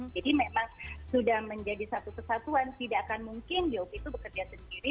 jadi memang sudah menjadi satu kesatuan tidak akan mungkin dop itu bekerja sendiri